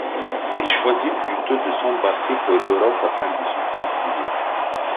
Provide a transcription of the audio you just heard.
Il choisit plutôt de s'embarquer pour l'Europe afin de se cultiver.